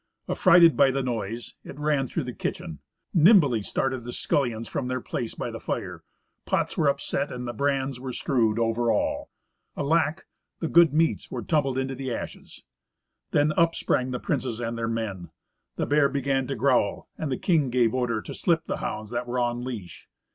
Affrighted by the noise, it ran through the kitchen. Nimbly started the scullions from their place by the fire. Pots were upset and the brands strewed over all. Alack! the good meats that tumbled into the ashes! Then up sprang the princes and their men. The bear began to growl, and the king gave order to slip the hounds that were on leash.